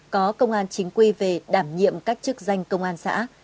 có công an chính quy về đảm nhiệm các chức danh công an xã